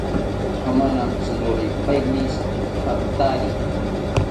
Amanantziroripaeni jantari